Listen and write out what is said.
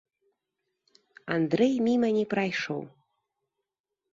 Андрэй міма не прайшоў.